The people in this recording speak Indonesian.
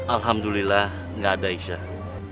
alhamdulillah gak ada aisyah